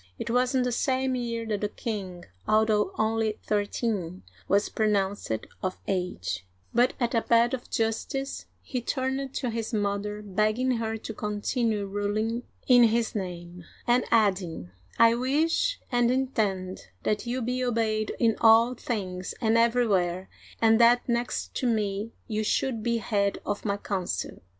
It was in the same year that the king, although only thirteen, was pronounced of age ; but at a " bed of justice" Digitized by Google 302 OLD FRANCE he turned to his mother, begging her to continue ruling in his name, and adding, I wish and intend that you be obeyed in all things and everywhere, and that, next to me, you should be head of my council."